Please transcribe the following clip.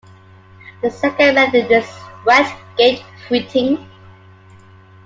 The second method is wet-gate printing.